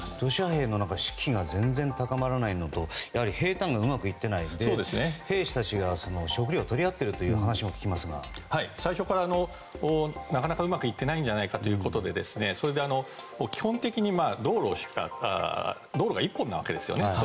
ロシア兵の士気が全然高まらないのと兵たんがうまくいっていないということで食料を取り合っているよう話もありますが最初からなかなかうまくいってないんじゃないかということで基本的に道路が１本なわけですよね。